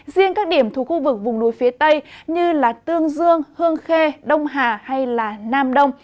riêng các điểm thuộc khu vực vùng núi phía tây như tương dương hương khê đông hà hay nam đông